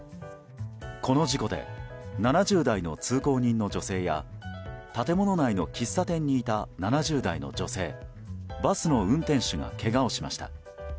この事故で７０代の通行人の女性や建物内の喫茶店にいた７０代の女性、バスの運転手がけがをしました。